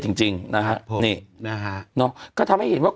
คือคือคือคือคือ